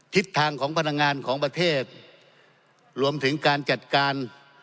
ทิศทางของพลังงานของประเทศรวมถึงการจัดการ